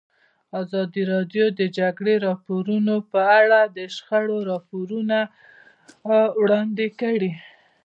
ازادي راډیو د د جګړې راپورونه په اړه د شخړو راپورونه وړاندې کړي.